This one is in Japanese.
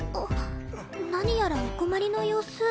何やらお困りの様子